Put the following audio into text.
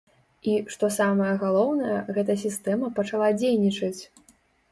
І, што самае галоўнае, гэта сістэма пачала дзейнічаць!